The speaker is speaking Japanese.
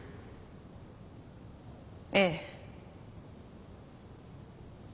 ええ。